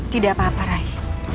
tidak apa apa rai